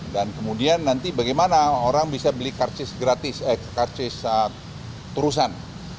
dan kemudian nanti bagaimana orang bisa beli karcis gratis eh karcis terusan